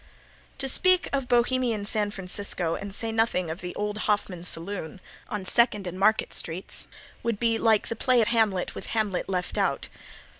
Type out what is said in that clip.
To speak of Bohemian San Francisco and say nothing of the old Hoffman saloon, on Second and Market streets, would be like the play of Hamlet with Hamlet left out.